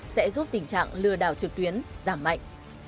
sẽ giúp tình trạng lừa đảo trực tuyến giảm mạnh